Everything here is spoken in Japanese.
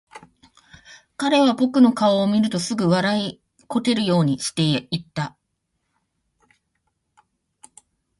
彼は僕の顔を見るとすぐ、笑いこけるようにして言った。